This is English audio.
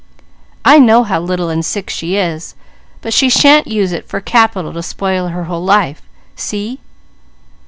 I know how little and sick she is, but she shan't use it for capital to spoil her whole life. See?"